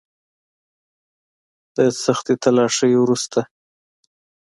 د سختې تلاشۍ وروسته.